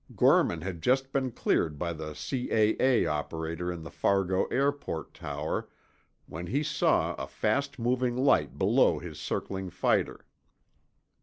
Gorman had just been cleared by the C.A.A. operator in the Fargo Airport tower when he saw a fast moving light below his circling fighter.